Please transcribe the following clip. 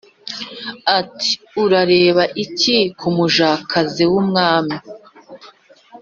ati"urareba iki kumujakazi wumwami"